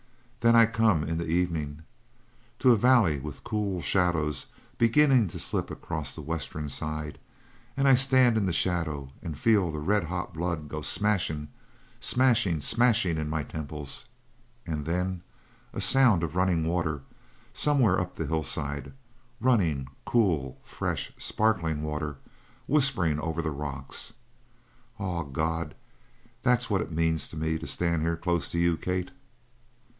Then I come, in the evenin', to a valley with cool shadows beginning to slip across from the western side, and I stand in the shadow and feel the red hot blood go smashin', smashin', smashin' in my temples and then a sound of runnin' water somewhere up the hill side. Runnin', cool, fresh, sparkling water whispering over the rocks. Ah, God, that's what it means to me to stand here close to you, Kate!